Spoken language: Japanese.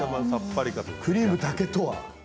クリームだけとは。